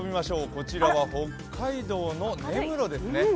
こちらは北海道の根室ですね。